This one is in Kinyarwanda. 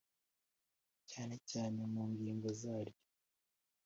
cyane cyane mu ngingo zaryo